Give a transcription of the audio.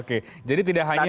oke jadi tidak hanya